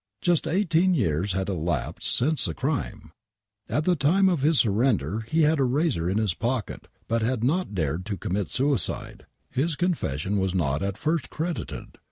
Just eighteen years had elapsed since the crime ! At tbe time of bis surrender be had a razor in bis pocket, but had not dared to commit suicide. His confession was not at first credited